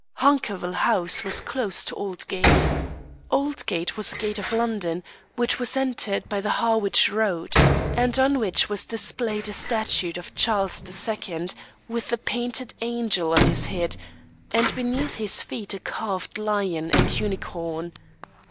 Hunkerville House was close to Oldgate. Oldgate was a gate of London, which was entered by the Harwich road, and on which was displayed a statue of Charles II., with a painted angel on his head, and beneath his feet a carved lion and unicorn.